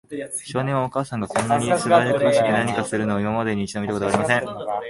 少年は、お母さんがこんなにすばしこく何かするのを、今までに一度も見たことがありません。